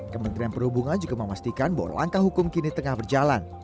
kementerian perhubungan juga memastikan bahwa langkah hukum kini tengah berjalan